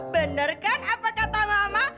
bener kan apa kata mama